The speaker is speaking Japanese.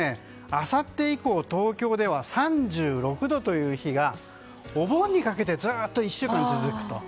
あさって以降、東京では３６度という日がお盆にかけてずっと１週間続くと。